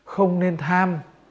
không nên tham